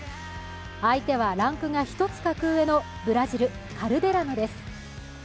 相手はランクが１つ格上のブラジル・カルデラノです。